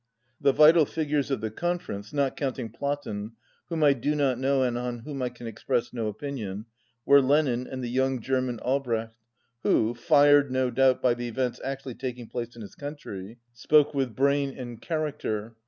The vital figures of the conference, not counting Flatten, whom I do not know and on whom I can express no opinion, were Lenin and the young German, Albrecht, who, fired no doubt by the events actually taking place in his country, spoke with brain and character.